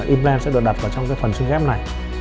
implant sẽ được đặt vào trong cái phần xương ghép này